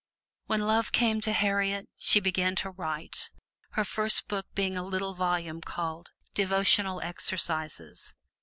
When love came to Harriet, she began to write, her first book being a little volume called "Devotional Exercises."